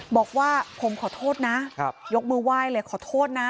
บอกว่าผมขอโทษนะยกมือไหว้เลยขอโทษนะ